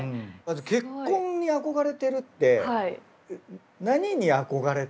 結婚に憧れてるって何に憧れてるの？